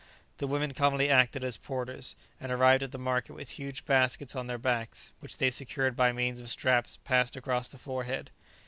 The women commonly acted as porters, and arrived at the market with huge baskets on their backs, which they secured by means of straps passed across the forehead.